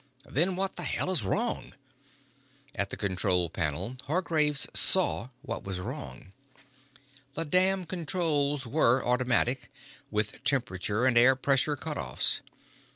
"Then what the hell is wrong?" At the control panel, Hargraves saw what was wrong. The damned controls were automatic, with temperature and air pressure cut offs.